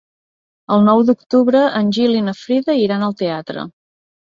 El nou d'octubre en Gil i na Frida iran al teatre.